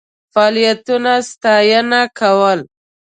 فعالیتونو ستاینه کول.